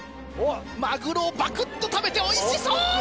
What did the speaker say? マグロをバクっと食べておいしそう！